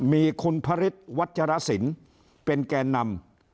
มีคุณพระฤทธิ์วัชรสินเป็นแก่นำ